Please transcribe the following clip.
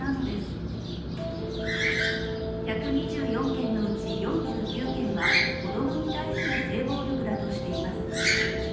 １２４件のうち４９件は子供に対する性暴力だとしています。